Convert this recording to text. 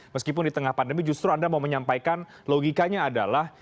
meskipun di tengah pandemi justru anda mau menyampaikan logikanya adalah